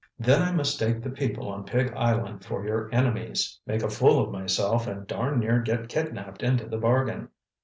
Then I mistake the people on Pig Island for your enemies, make a fool of myself and darn near get kidnapped into the bargain.